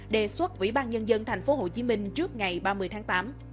đề xuất ủy ban nhân dân tp hcm trước ngày ba mươi tháng tám